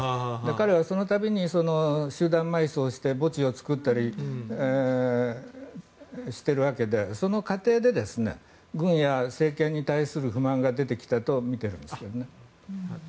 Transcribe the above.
彼はその度に集団埋葬して墓地を作ったりしているわけでその過程で軍や政権に対する不満が出てきたとみてるんですね。